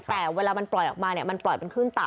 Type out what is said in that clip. แต่เวลามันปล่อยออกมามันปล่อยเป็นครึ่งต่ำ